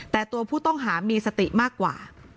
แต่ตัวผู้ต้องหามีสติมากกว่า